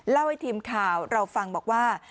เล่าให้ทีมข่าวเราฟังบอกว่า